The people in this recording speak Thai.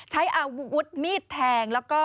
ใช้อาวุธมีดแทงแล้วก็